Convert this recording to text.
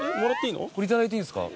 これいただいていいんすか？